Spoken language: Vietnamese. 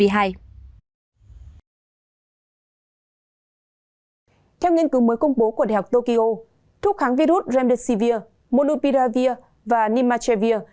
theo nghiên cứu mới công bố của đại học tokyo thuốc kháng virus remdesivir monopiravir và nimachevir